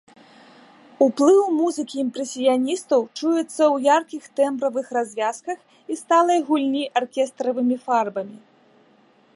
Уплыў музыкі імпрэсіяністаў чуецца ў яркіх тэмбравых развязках і сталай гульні аркестравымі фарбамі.